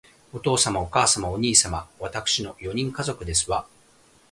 お父様、お母様、お兄様、わたくしの四人家族ですわ